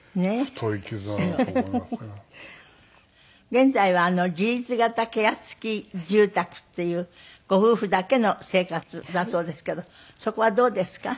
現在は自立型ケア付き住宅っていうご夫婦だけの生活だそうですけどそこはどうですか？